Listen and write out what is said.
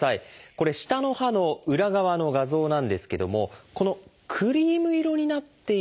これ下の歯の裏側の画像なんですけどもこのクリーム色になっている部分